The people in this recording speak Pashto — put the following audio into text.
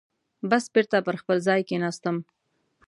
بس بېرته پر خپل ځای کېناستم.